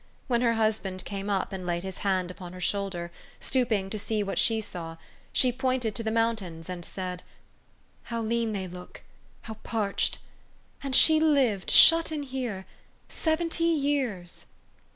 When her husband came up, and laid his hand upon her shoulder, stooping to see what she saw, she pointed to the mountains, and said, u How lean they look ! How parched ! And she lived shut in here seventy years."